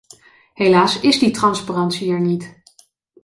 Helaas is die transparantie er niet.